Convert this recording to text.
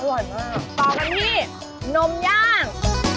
มากต่อกันที่นมย่าง